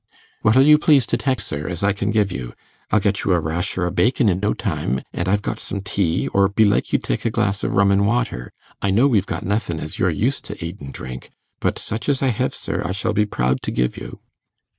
'What'll you please to tek, sir, as I can give you? I'll get you a rasher o' bacon i' no time, an' I've got some tea, or belike you'd tek a glass o' rum an' water. I know we've got nothin' as you're used t' eat and drink; but such as I hev, sir, I shall be proud to give you.